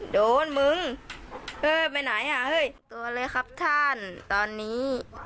โดนมึงเออไปไหนอ่ะเฮ้ยตัวเลยครับท่านตอนนี้